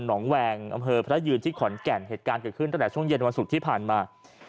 องแวงอำเภอพระยืนที่ขอนแก่นเหตุการณ์เกิดขึ้นตั้งแต่ช่วงเย็นวันศุกร์ที่ผ่านมา